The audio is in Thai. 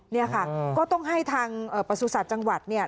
นี่ค่ะก็ต้องให้ทางประสูจน์ศาสตร์จังหวัดเนี่ย